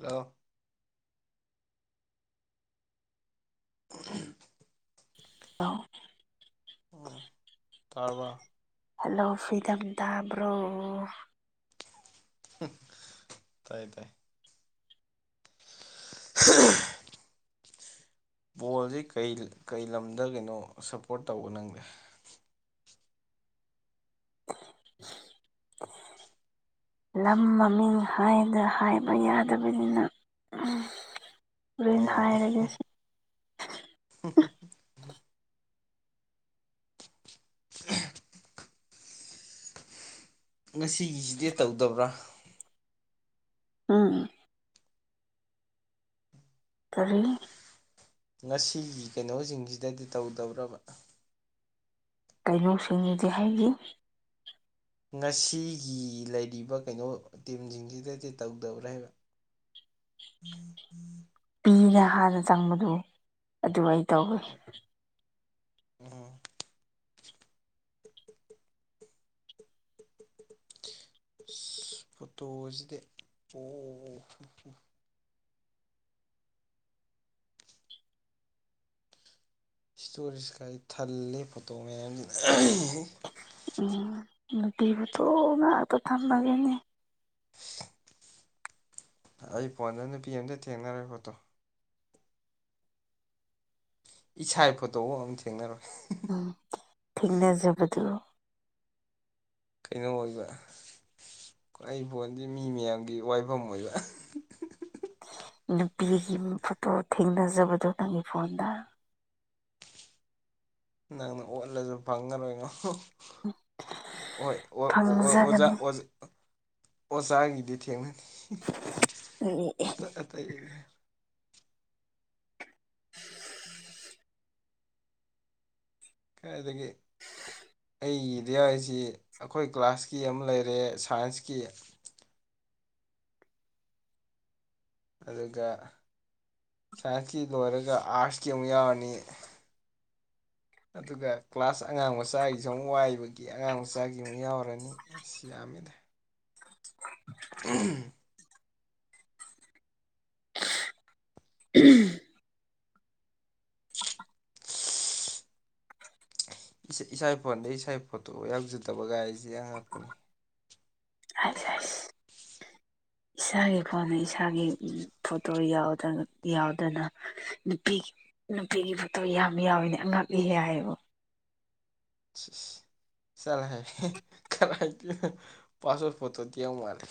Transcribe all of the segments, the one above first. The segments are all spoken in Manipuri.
ꯍꯥꯜꯂꯣ [inaudible] [inaudible] ꯎꯝ ꯇꯔꯥꯕꯣ ꯍꯜꯂꯣ ꯐ꯭ꯔꯤꯗꯝ ꯇꯥꯕ꯭ꯔꯣ ꯇꯥꯏ ꯇꯥꯏ [unintelligible] ꯕꯣꯜꯖꯤ ꯀꯩ ꯀꯩ ꯂꯝꯗ ꯀꯩꯅꯣ ꯁꯞꯄꯣꯔꯠ ꯇꯧꯕ ꯅꯪꯗꯦ [inaudible] ꯂꯝ ꯃꯃꯤꯡ ꯍꯥꯏꯗ ꯍꯥꯏꯕ ꯌꯥꯗꯕꯅꯤꯅ ꯍꯣꯔꯦꯟ ꯍꯥꯏꯔꯒꯦ ꯁꯤ [unintelligible] ꯉꯁꯤꯒꯤꯁꯤꯗꯤ ꯇꯧꯗꯕ꯭ꯔꯥ ꯑꯝ ꯀꯔꯤ ꯉꯁꯤꯒꯤ ꯀꯩꯅꯣꯖꯤꯡꯖꯤꯗꯗꯤ ꯇꯧꯗꯕ꯭ꯔꯥꯕ ꯀꯩꯅꯣꯁꯤꯡꯗꯤ ꯍꯥꯏꯗꯤ ꯉꯁꯤꯒꯤ ꯂꯩꯔꯤꯕ ꯀꯩꯅꯣ ꯇꯤꯝꯖꯤꯡꯖꯤꯗꯗꯤ ꯇꯧꯗꯕ꯭ꯔꯥ ꯍꯥꯏꯕ [inaudible] ꯄꯤꯅ ꯍꯥꯟꯅ ꯆꯪꯕꯗꯨ ꯑꯗꯨ ꯑꯩ ꯇꯧꯋꯤ ꯎꯝ [unintelligible] ꯏꯁꯇꯣꯔꯦꯁ ꯀꯥꯏ ꯊꯜꯂꯦ ꯐꯣꯇꯣ ꯃꯌꯥꯝꯖꯤꯅ ꯎꯝ ꯅꯨꯄꯤꯕꯨꯇꯣ ꯉꯥꯛꯇ ꯊꯝꯃꯒꯦꯅꯦ ꯑꯩ ꯐꯣꯟꯗ ꯅꯨꯄꯤ ꯑꯝꯇ ꯊꯦꯡꯅꯔꯣꯏ ꯐꯣꯇꯣ ꯏꯁꯥ ꯐꯣꯇꯣꯕꯥꯎ ꯑꯃꯝ ꯊꯦꯡꯅꯔꯣꯏ ꯎꯝ ꯊꯦꯡꯅꯖꯕꯗꯨ ꯀꯩꯅꯣ ꯑꯣꯏꯕ ꯑꯩ ꯐꯣꯟꯗꯤ ꯃꯤ ꯃꯌꯥꯝꯒꯤ ꯋꯥꯏꯕꯝ ꯑꯣꯏꯕ ꯅꯨꯄꯤꯒꯤ ꯐꯣꯇꯣ ꯊꯦꯡꯅꯖꯕꯗꯣ ꯅꯪꯒꯤ ꯐꯣꯟꯗ ꯅꯪꯅ ꯑꯣꯠꯂꯖꯨ ꯐꯪꯉꯔꯣꯏꯉꯣ ꯑꯣ ꯑꯣ ꯑꯣꯖꯥ ꯐꯪꯖꯒꯅꯤ ꯑꯣꯖꯥ ꯑꯣꯖꯥꯒꯤꯗꯤ ꯊꯦꯡꯅꯅꯤ ꯑꯦ ꯑꯇꯩ [unintelligible] ꯀꯥꯏꯗꯒꯤ ꯑꯩꯒꯤꯗꯤ ꯌꯥꯎꯁꯤ ꯑꯩꯈꯣꯏ ꯀ꯭ꯂꯥꯁꯀꯤ ꯑꯃ ꯂꯩꯔꯦ ꯁꯥꯏꯟꯁꯀꯤ ꯑꯗꯨꯒ ꯁꯥꯏꯟꯁꯀꯤ ꯂꯣꯏꯔꯒ ꯑꯥꯔꯠꯁꯀꯤ ꯑꯃꯨꯛ ꯌꯥꯎꯔꯅꯤ ꯑꯗꯨꯒ ꯀ꯭ꯂꯥꯁ ꯑꯉꯥꯡ ꯃꯆꯥꯒꯤꯁꯨ ꯑꯃꯨꯛ ꯋꯥꯏꯕꯒꯤ ꯑꯉꯥꯡ ꯃꯆꯥꯒꯤ ꯑꯃꯨꯛ ꯌꯥꯎꯔꯅꯤ ꯁꯤ ꯌꯥꯝꯃꯤꯗ [unintelligible] [unintelligible] ꯏꯁꯥ ꯐꯣꯟꯗ ꯏꯁꯥꯒꯤ ꯐꯣꯠꯇꯣ ꯌꯥꯎꯖꯗꯕ ꯒꯥꯏꯁꯦ ꯑꯉꯛꯄꯅꯦ [unintelligible] ꯏꯁꯥꯒꯤ ꯐꯣꯟꯗ ꯏꯁꯥꯒꯤ ꯐꯣꯇꯣ ꯌꯥꯎꯗꯅ ꯅꯨꯄꯤꯒꯤ ꯅꯨꯄꯤꯒꯤ ꯐꯣꯇꯣ ꯌꯥꯝ ꯌꯥꯎꯋꯤꯅꯦ ꯑꯉꯛꯂꯤ ꯍꯦ ꯍꯥꯏꯌꯣ [unintelligible] ꯆꯂꯥꯍꯥꯏ ꯀꯥꯔꯥꯏꯗꯩꯩ ꯄꯥꯁꯄꯣꯠ ꯐꯣꯠꯇꯣꯗꯤ ꯌꯥꯎꯃꯥꯜꯂꯦ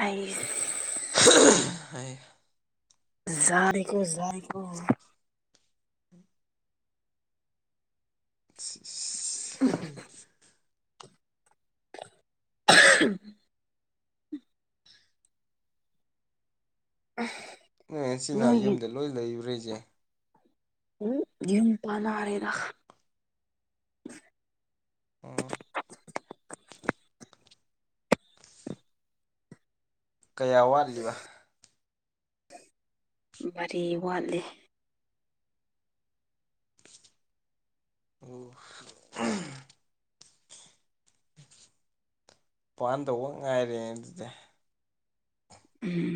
ꯑꯩꯁ [unintelligible] ꯖꯥꯔꯦꯀꯣ ꯖꯥꯔꯦꯀꯣ [unintelligible] [unintelligible] [unintelligible] ꯅꯣꯏ ꯏꯆꯤꯅꯥꯎ ꯅꯣꯏꯒꯤ ꯌꯨꯝꯗ ꯂꯣꯏ ꯂꯩꯕꯔ ꯍꯥꯏꯁꯦ ꯎꯝ ꯌꯨꯝ ꯄꯥꯟꯅꯔꯦꯗ ꯎꯝ ꯀꯌꯥ ꯋꯥꯠꯂꯤꯕ ꯃꯔꯤ ꯋꯥꯠꯂꯤ [unintelligible] ꯄꯥꯟꯗꯧꯕ ꯉꯥꯏꯔꯦ ꯑꯗꯨꯗꯤ ꯎꯝ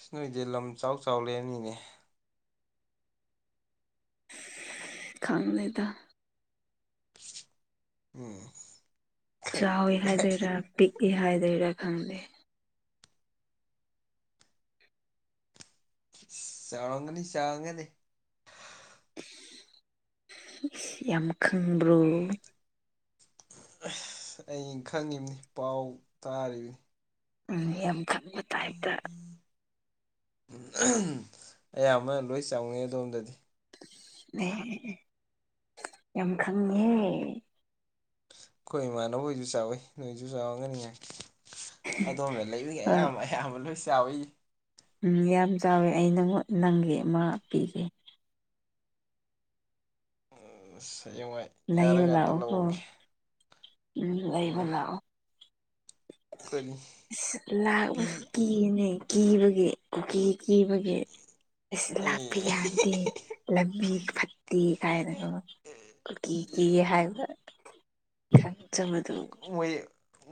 ꯁꯤ ꯅꯣꯏꯗꯤ ꯂꯝ ꯆꯥꯎ ꯆꯥꯎ ꯂꯩꯔꯕꯅꯤꯅꯦ ꯈꯪꯗꯦꯗꯥ ꯎꯝ ꯈꯪꯗꯦ ꯆꯥꯎꯋ ꯍꯥꯏꯗꯣꯏꯔꯥ ꯄꯤꯛꯏ ꯍꯥꯏꯗꯣꯏꯔꯥ ꯈꯪꯗꯦ ꯆꯥꯎꯔꯝꯒꯅꯤ ꯆꯥꯎꯔꯝꯒꯅꯤ ꯌꯥꯝ ꯈꯪꯕ꯭ꯔꯣ ꯑꯩꯅ ꯈꯪꯉꯤꯕꯅꯤ ꯄꯥꯎ ꯇꯥꯔꯤꯕꯅꯤ ꯌꯥꯝꯈꯟꯕ ꯇꯥꯏꯞꯇ ꯑꯌꯥꯝꯕ ꯂꯣꯏ ꯆꯪꯉꯦ ꯑꯗꯣꯝꯗꯗꯤ ꯑꯦ ꯌꯥꯝ ꯈꯪꯉꯦꯍꯦ ꯑꯩꯈꯣꯏ ꯏꯃꯥꯟꯅꯕꯣꯏꯁꯨ ꯆꯥꯎꯋꯤ ꯅꯣꯏꯁꯨ ꯆꯥꯎꯔꯝꯒꯅꯤꯉꯥꯏ ꯑꯗꯣꯝꯅ ꯂꯩꯕꯒꯤ ꯍꯣꯏ ꯑꯌꯥꯝꯕ ꯑꯌꯥꯝꯕ ꯂꯣꯏ ꯆꯥꯎꯋꯤ ꯎꯝ ꯌꯥꯝ ꯆꯥꯎꯋꯦ ꯑꯩ ꯅꯪꯉꯣꯟ ꯅꯪꯒꯤ ꯑꯃ ꯄꯤꯒꯦ [unintelligible] ꯂꯩꯕ ꯂꯥꯛꯑꯣ ꯀꯣ ꯂꯧꯔꯒꯦ ꯎꯝ ꯂꯩꯕ ꯂꯥꯛꯑꯣ ꯀꯔꯤ ꯄꯤ ꯂꯥꯛꯕꯁꯨ ꯀꯤꯅꯦ ꯀꯤꯕꯒꯤ ꯀꯨꯀꯤ ꯀꯤꯕꯒꯤ ꯑꯁꯤꯁ ꯂꯥꯛꯄ ꯑꯦ ꯌꯥꯗꯦ ꯂꯝꯕꯤ ꯐꯠꯇꯦ ꯀꯥꯏꯅꯒ ꯀꯨꯀꯤ ꯀꯤꯏ ꯍꯥꯏꯕ ꯈꯟꯆꯕꯗꯨ ꯃꯣꯏ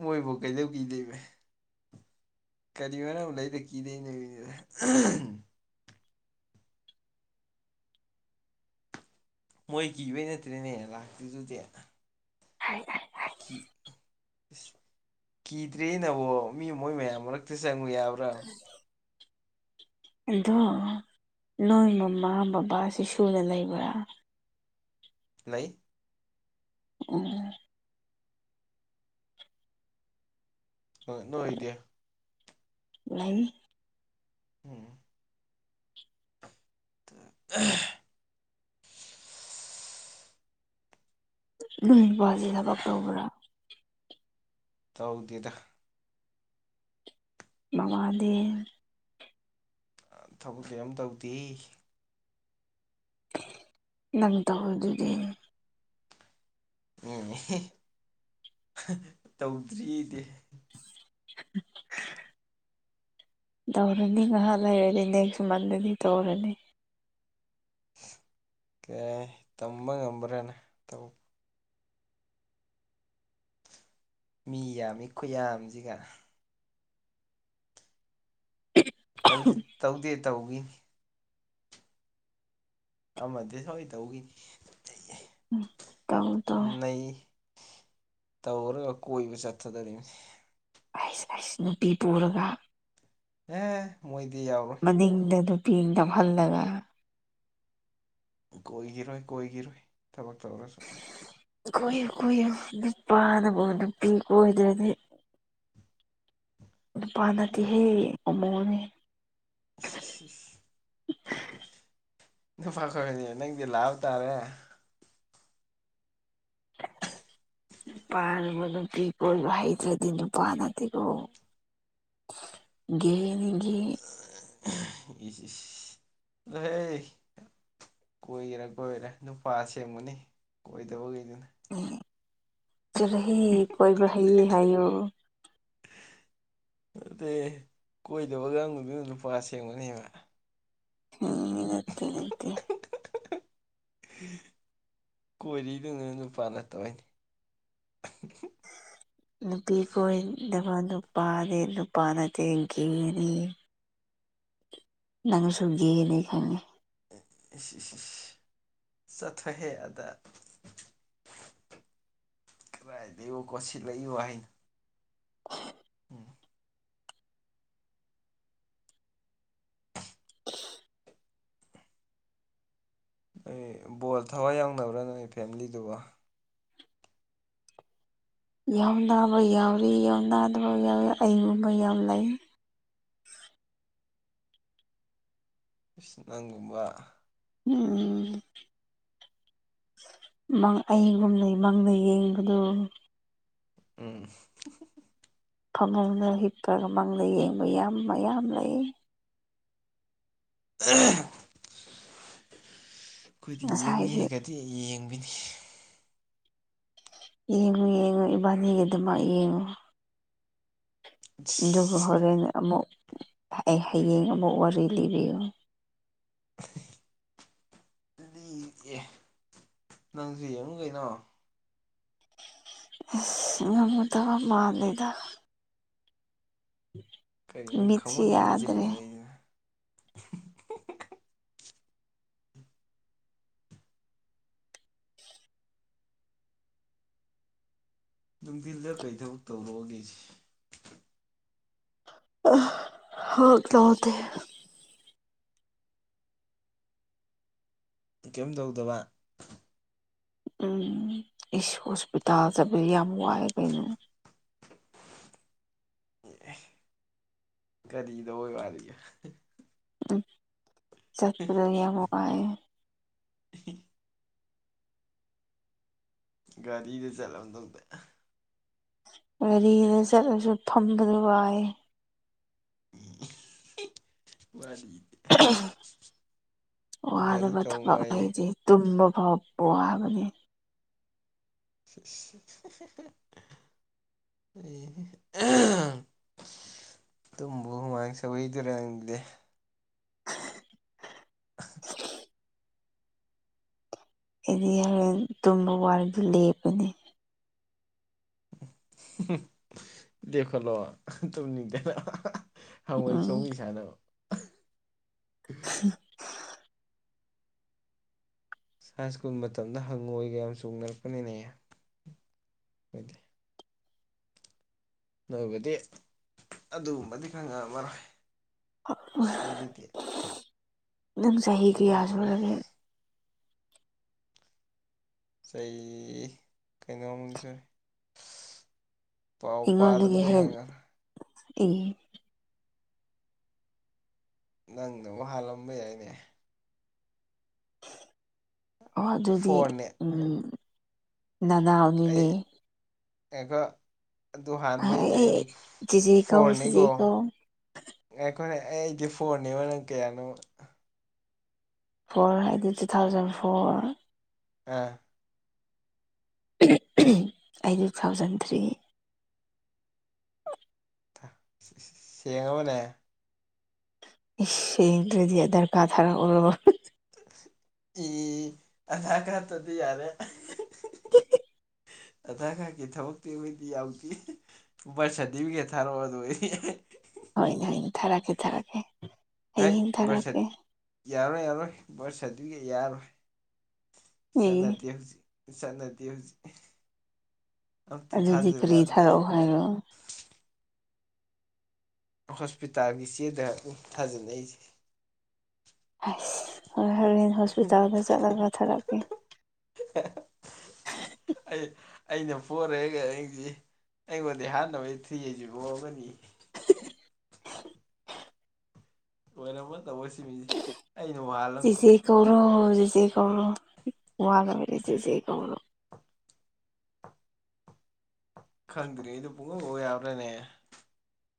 ꯃꯣꯏꯕꯨ ꯀꯩꯗꯧ ꯀꯤꯗꯣꯏꯕ ꯀꯔꯤ ꯃꯔꯔꯝ ꯂꯩꯗ ꯀꯤꯗꯦꯅꯦ ꯃꯤꯗ ꯃꯣꯏ ꯀꯤꯕꯩ ꯅꯠꯇ꯭ꯔꯦꯅꯦ ꯂꯥꯛꯇꯔꯤꯗꯨꯗꯤ [unintelligible] ꯀꯤꯗ꯭ꯔꯦꯅꯕꯣ ꯃꯤ ꯃꯣꯏ ꯃꯌꯥꯝ ꯃꯔꯛ ꯆꯪꯉꯨ ꯌꯥꯕ꯭ꯔꯥꯕ ꯑꯗꯣ ꯅꯣꯏ ꯃꯃꯥ ꯕꯕꯥꯁꯤ ꯁꯨꯅ ꯂꯩꯕ꯭ꯔꯥ [unintelligible] [unintelligible] ꯑ ꯅꯣꯏꯗꯤ [unintelligible] ꯎꯝ [unintelligible] [unintelligible] ꯊꯕꯛ ꯇꯧꯕ꯭ꯔꯥ ꯇꯧꯗꯦꯗ ꯃꯃꯗꯤ ꯊꯕꯛꯁꯨ ꯌꯥꯝ ꯇꯧꯗꯦ ꯅꯪ ꯇꯧ ꯑꯗꯨꯗꯤ ꯇꯧꯗ꯭ꯔꯤ ꯑꯩꯗꯤ [unintelligible] ꯇꯧꯔꯅꯤ ꯉꯥꯏꯍꯥꯛ ꯂꯩꯔꯗꯤ ꯅꯦꯛꯁ ꯃꯟꯗꯗꯤ ꯇꯧꯔꯅꯤ ꯀꯩ ꯇꯝꯕ ꯉꯝꯕ꯭ꯔꯥꯅ ꯃꯤ ꯌꯥꯝꯃꯤ ꯈꯨꯌꯥꯝꯁꯤꯒ ꯇꯧꯗꯦ ꯇꯧꯈꯤꯅꯤ ꯑꯃꯗꯤ ꯁꯣꯏ ꯇꯧꯒꯤꯅꯤ ꯎꯝ ꯇꯧ ꯇꯧ ꯅꯩ ꯇꯧꯔ ꯀꯣꯏ ꯆꯠꯊꯗꯔꯤꯕꯅꯤ ꯑꯩꯁ ꯑꯩꯁ ꯅꯨꯄꯤ ꯄꯨꯔꯒ ꯑꯦ ꯃꯣꯏꯗꯤ ꯌꯥꯎꯔꯣꯏ ꯃꯅꯤꯡꯗ ꯅꯨꯄꯤ ꯅꯝꯍꯜꯂꯒ ꯀꯣꯏꯒꯤꯔꯣꯏ ꯀꯣꯏꯒꯤꯔꯣꯏ ꯊꯕꯛ ꯇꯧꯔꯁꯨ꯫ ꯀꯣꯏꯌꯨ ꯀꯣꯏꯌꯨ ꯅꯤꯄꯥꯅꯕꯨ ꯅꯨꯄꯤ ꯀꯣꯏꯗ꯭ꯔꯗꯤ ꯑꯦ ꯅꯨꯄꯥꯅꯠꯇꯦꯍꯦ ꯑꯃꯧꯅꯦ꯫ ꯏꯁ ꯏꯁ ꯏꯁ ꯅꯨꯄꯥ ꯈꯣꯏꯕꯅꯤ ꯅꯪꯗꯤ ꯂꯥꯛ ꯇꯥꯔꯦ꯫ [unintelligible] ꯅꯨꯄꯥꯅꯕꯨ ꯅꯨꯄꯤ ꯀꯣꯏꯕ ꯍꯩꯇꯔꯗꯤ ꯅꯨꯄꯥ ꯅꯠꯇꯦꯀꯣ꯫ ꯒꯦꯅꯤꯒꯦ꯫ [unintelligible] ꯏꯁ ꯏꯁ ꯗꯦ ꯀꯣꯏꯒꯦꯔꯥ ꯀꯣꯏꯔꯦ ꯅꯨꯄꯥ ꯑꯁꯦꯡꯕꯅꯤ ꯀꯣꯏꯗꯕꯒꯤꯅꯤ꯫ ꯆꯔꯍꯩ ꯀꯣꯏꯕ ꯍꯩ ꯍꯥꯏꯌꯨ꯫ ꯅꯠꯇꯦ ꯀꯣꯏꯗꯕ ꯂꯥꯡꯗꯕꯗꯨ ꯅꯨꯄꯥ ꯁꯦꯡꯕꯅꯦꯕ ꯅꯠꯇꯦ ꯅꯠꯇꯦ [unintelligible] ꯀꯣꯔꯤꯗꯨꯅ ꯅꯨꯄꯥ ꯅꯠꯇꯕꯩ [inaudible] ꯅꯨꯄꯤ ꯀꯣꯏꯗꯕ ꯅꯨꯄꯥꯗꯤ ꯅꯨꯄꯥ ꯅꯠꯇꯦ ꯒꯦꯅꯦ꯫ ꯅꯪꯁꯨ ꯒꯦꯅꯦ ꯈꯪꯉꯦ꯫ ꯏ ꯏꯁ ꯏꯁ ꯏꯁ ꯆꯠꯊꯍꯦ ꯑꯗ ꯔꯥꯏꯗꯩ ꯀꯣꯁꯤꯂꯛꯏ ꯋꯥꯍꯩꯅꯣ ꯑꯩ ꯕꯣꯜ ꯊꯋꯥꯏ ꯌꯥꯎꯅꯕ꯭ꯔꯥ ꯅꯣꯏ ꯐꯦꯝꯂꯤꯗꯨꯕꯣ? ꯌꯥꯝ ꯅꯥꯕ ꯌꯥꯎꯔꯤ ꯌꯥꯝ ꯅꯥꯗꯕ ꯌꯥꯎ ꯑꯩꯒꯨꯝꯕ ꯌꯥꯝ ꯂꯩ꯫ ꯏꯁ ꯅꯪꯒꯨꯝꯕ ꯎꯝ ꯃꯪ ꯑꯩꯒꯨꯝꯅ ꯃꯪꯗ ꯌꯦꯡꯕꯗꯨ ꯏꯁ ꯐꯃꯨꯡꯗ ꯍꯤꯞꯄꯒ ꯃꯪꯗ ꯌꯦꯡꯕ ꯌꯥꯝ ꯃꯌꯥꯝ ꯂꯩ꯫ [unintelligible] ꯈꯣꯏꯗꯤ ꯉꯁꯥꯏꯗꯤ ꯌꯦꯡꯉꯦꯒꯗꯤ ꯌꯦꯡꯕꯤꯅꯤ꯫ ꯌꯦꯡꯉꯨ ꯌꯦꯡꯉꯨ ꯏꯕꯥꯅꯤꯒꯤ ꯑꯗꯨꯃꯛ ꯌꯦꯡꯉꯨ ꯑꯗꯨꯒ ꯏꯁ ꯍꯣꯔꯦꯟ ꯑꯃꯨꯛ ꯍꯌꯦꯡ ꯑꯃꯨꯛ ꯋꯥꯔꯤ ꯂꯤꯕꯤꯌꯨ ꯂꯤꯒꯦ ꯅꯪꯖꯨ ꯌꯦꯡꯉꯨ ꯀꯩꯅꯣ ꯏꯁ ꯉꯝꯒꯗꯕ ꯃꯥꯜꯂꯦꯗ ꯀꯔꯤꯅ ꯃꯤꯠꯁꯤ ꯈꯪꯃꯨꯟ ꯌꯥꯗ꯭ꯔꯦ ꯃꯨꯟꯖꯤꯅꯔꯩꯅ ꯅꯨꯡꯊꯤꯟꯗ ꯀꯩ ꯊꯕꯛ ꯇꯧꯔꯛꯑꯣꯒꯦꯁꯦ ꯑ ꯍ ꯀꯗꯦ ꯀꯩꯝ ꯗꯧꯗꯕ ꯎꯝ ꯏꯁ ꯍꯣꯁꯄꯤꯇꯥꯜ ꯆꯕꯗꯤ ꯌꯥꯝ ꯋꯥꯏ ꯀꯩꯅꯣ꯫ ꯀꯔꯤꯗꯧ ꯋꯥꯔꯤꯕ ꯎꯝ ꯆꯠꯄꯗ ꯌꯥꯝ ꯋꯥꯏ꯫ [unintelligible] ꯒꯥꯔꯤꯒ ꯆꯠꯂꯗꯧꯗ ꯒꯥꯔꯤꯗ ꯆꯠꯂꯁꯨ ꯐꯝꯕꯗ ꯋꯥꯏ꯫ [unintelligible] ꯋꯥꯔꯤ ꯒꯥꯔꯤ ꯋꯥꯗꯕ ꯇꯧꯅꯨ ꯊꯕꯛ ꯍꯥꯏꯌꯦ ꯂꯩꯇꯤ ꯇꯨꯝꯕ ꯐꯥꯎ ꯋꯥꯕꯅꯦ꯫ [unintelligible] ꯇꯨꯝꯕꯨ ꯍꯨꯃꯥꯡ ꯁꯧꯋꯦꯗꯨꯔꯥꯡꯗꯤ [unintelligible] ꯑꯩꯗꯤ ꯌꯥꯉꯟ ꯇꯨꯝꯕ ꯋꯥꯔꯤꯗꯤ ꯂꯦꯞꯄꯅꯦ꯫ ꯂꯦꯄꯈꯠꯂꯣ ꯇꯨꯝꯅꯤ [unintelligible] ꯍꯪꯉꯣꯏ ꯎꯝ ꯆꯣꯡꯕꯤ ꯁꯥꯟꯅꯧ꯫ [unintelligible] ꯁꯥꯏ ꯁ꯭ꯀꯨꯜ ꯃꯇꯝꯗ ꯍꯪꯉꯣꯏꯒ ꯌꯥꯝ ꯆꯣꯡꯅꯔꯛꯄꯅꯤꯅꯦꯗꯤ ꯅꯣꯏꯕꯨꯗꯤ ꯑꯗꯨꯒꯨꯝꯕꯗꯤ ꯈꯪꯉꯛꯑꯃꯔꯣꯏ ꯑꯩꯈꯣꯏꯒꯤꯗꯤ ꯅꯪ ꯆꯍꯤ ꯀꯌꯥ ꯑꯩꯈꯣꯏꯒꯤꯅ ꯁꯨꯔꯒꯦ ꯆꯍꯤ ꯀꯩꯅꯣꯃꯁꯦ ꯑꯩꯉꯣꯟꯜꯗꯒꯤ ꯍꯦꯟ ꯅꯪꯅ ꯋꯥ ꯍꯥꯜꯂꯝꯕ ꯌꯥꯏꯅꯦ ꯑꯣ ꯑꯗꯨꯗꯤ ꯐꯣꯔꯅꯦ ꯑꯩ ꯅꯅꯥꯎꯅꯤꯅꯦ ꯑꯗꯨ ꯍꯥꯟꯕꯩꯁꯦ ꯑꯩꯗꯤ ꯑꯩ ꯆꯤꯆꯦ ꯀꯧ ꯆꯤꯆꯦ ꯐꯣꯔꯅꯤꯀꯣ ꯀꯧ ꯑꯩꯈꯣꯏꯅ ꯑꯩꯗꯤ ꯐꯣꯟꯅꯦꯕ ꯅꯪ ꯀꯌꯥꯅꯣ ꯐꯣꯔ ꯍꯥꯏꯗꯤ ꯇꯨ ꯊꯥꯎꯖꯟ ꯐꯣꯔ ꯑꯥ ꯑꯩ ꯇꯨ ꯊꯥꯎꯖꯟ ꯊ꯭ꯔꯤ ꯁꯦꯡꯕꯅꯦ ꯗꯗꯤ ꯗꯔꯀꯥꯊꯔ ꯑꯣꯏ ꯏ ꯑꯗꯀ ꯇꯗꯤ ꯌꯥꯔꯦ ꯑꯗ ꯈꯥꯀꯤ ꯊꯕꯛꯇꯛꯇꯕꯗꯤ ꯑꯇ ꯎꯚꯥꯏ ꯁꯥꯗꯤꯤꯕꯤꯒꯦ ꯊꯥꯔꯛꯑꯣ ꯑꯗꯨꯣ ꯑꯩ ꯍ ꯍ ꯊꯥꯔꯥꯀꯦ ꯊꯔꯥꯀꯦ ꯍ ꯚꯔꯁ ꯌꯥꯔꯣꯏ ꯌꯥꯔꯣꯏ ꯕꯔꯁꯠꯇꯒꯤ ꯌꯥꯔꯣꯏ ꯑꯦ ꯁꯥꯟꯅꯗ ꯍꯧꯖꯤꯛ ꯁꯥꯟꯅꯇ ꯍꯧꯖꯤꯛ ꯑꯝꯇ ꯊꯥꯖꯕ ꯌꯥꯗꯗꯤ ꯑ ꯍꯣꯁꯄꯤꯇꯥꯜꯒꯤ ꯆꯦꯗ ꯑꯗꯨ ꯊꯥꯖꯅꯏꯁꯦ ꯑꯁ ꯍꯣꯏ ꯍꯣꯔꯦꯟ ꯍꯣꯁꯄꯤꯇꯥꯜꯗ ꯆꯠꯂꯒ ꯊꯥꯔꯛꯀꯦ ꯑꯩ ꯑꯩꯅ ꯄꯣꯔꯛꯑꯒ ꯑꯩꯁꯤ ꯑꯩꯉꯣꯟꯗꯤ ꯍꯥꯟꯅꯩ ꯊꯤꯁꯤ ꯐꯣꯛꯑ ꯑꯃꯅꯤꯅꯤ ꯂꯣꯏꯔꯝꯃ ꯇꯧꯕꯣꯏ ꯁꯤꯃꯤꯁꯦ ꯑꯩꯅ ꯋꯥꯜꯂꯝꯅꯤ ꯧꯔꯣ ꯨꯖꯦ ꯀꯧꯔ ꯋꯥꯒꯕꯗꯤ ꯨꯖꯦ ꯀꯧꯔ ꯈꯟꯔꯤ ꯏ ꯄꯨꯡꯉ ꯌꯥꯎ꯭ꯔꯦꯅꯦ